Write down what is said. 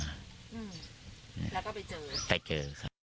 แล้วก็ไปเจอ